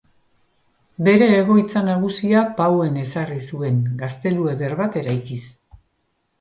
Bere egoitza nagusia Pauen ezarri zuen, gaztelu eder bat eraikiz.